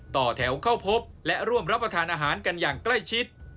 ต่อแถวเข้าพบและร่วมรับประทานอาหารกันอย่างใกล้ชิด